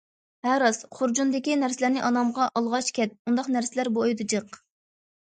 ھە راست، خۇرجۇندىكى نەرسىلەرنى ئانامغا ئالغاچ كەت، ئۇنداق نەرسىلەر بۇ ئۆيدە جىق.